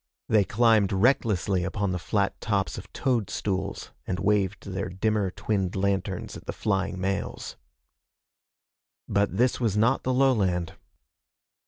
They climbed recklessly upon the flat tops of toadstools and waved their dimmer twinned lanterns at the flying males. But this was not the lowland.